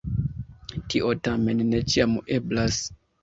Tio tamen ne ĉiam eblas.